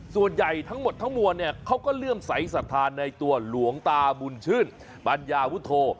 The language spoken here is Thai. ส่วนใหญ่ทั้งหมดทั้งมวลเนี่ยเขาก็เลื่อมใสสัทธาในตัวหลวงตาบุญชื่นปัญญาวุฒโธ